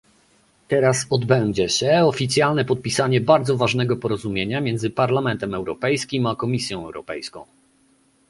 Teraz odbędzie się oficjalne podpisanie bardzo ważnego porozumienia między Parlamentem Europejskim a Komisją Europejską